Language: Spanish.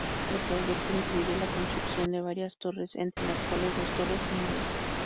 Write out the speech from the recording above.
El proyecto incluye la construcción de varias torres, entre las cuales dos torres gemelas.